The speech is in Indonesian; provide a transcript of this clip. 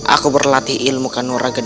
aku berlatih ilmu kanuragen